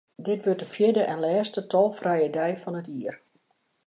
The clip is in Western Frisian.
Dit wurdt de fjirde en lêste tolfrije dei fan dit jier.